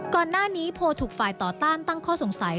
ก่อนหน้านี้โพลถูกฝ่ายต่อต้านตั้งข้อสงสัย